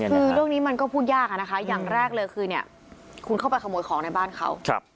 คือเรื่องนี้มันก็พูดยากอะนะคะอย่างแรกเลยคือเนี่ยคุณเข้าไปขโมยของในบ้านเขา